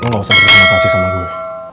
lo nggak usah berterima kasih sama gue